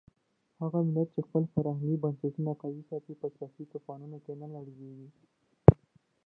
هغه ملت چې خپل فرهنګي بنسټونه قوي ساتي په سیاسي طوفانونو کې نه لړزېږي.